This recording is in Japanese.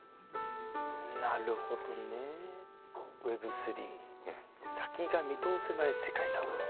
なるほどねＷｅｂ３先が見通せない世界だなあ。